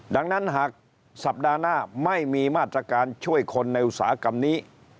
ดังนั้นหากสัปดาห์หน้าไม่มีมาตรการช่วยคนในอุตสาหกรรมนี้